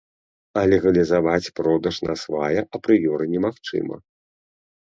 А легалізаваць продаж насвая апрыёры немагчыма.